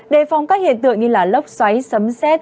đề phòng các hiện tượng như lốc xoáy sấm xét